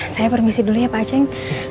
saya permisi dulu ya pak aceng